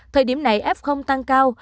thời điểm này f tăng cao